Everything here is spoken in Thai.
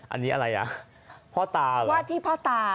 อันนี้อะไรอ่ะวาดที่พ่อตา